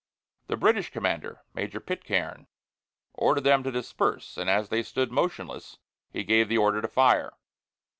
The British commander, Major Pitcairn, ordered them to disperse, and as they stood motionless, he gave the order to fire.